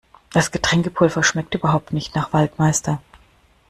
Das Getränkepulver schmeckt überhaupt nicht nach Waldmeister.